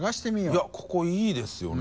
いここいいですよね。